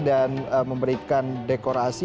dan memberikan dekorasi